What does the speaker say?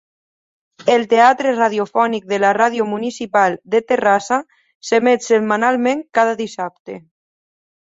El Teatre Radiofònic de la Ràdio Municipal de Terrassa s'emet setmanalment cada dissabte.